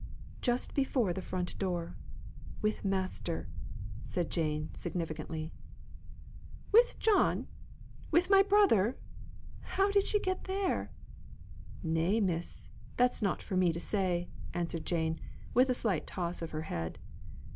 "Just before the front door with master!" said Jane, significantly. "With John! with my brother! How did she get there?" "Nay, miss, that's not for me to say," answered Jane, with a slight toss of her head.